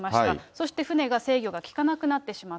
そして船が制御が利かなくなってしまった。